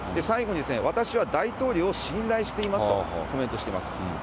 最後に、私は大統領を信頼していますとコメントしています。